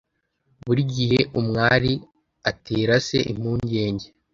Buri gihe umwari atera se impungenge,